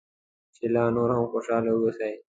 چې لا نور هم خوشاله واوسې.